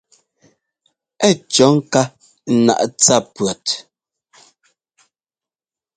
Ɛ́ cɔ̌ ŋká naꞌ tsa pʉ̈ɔt.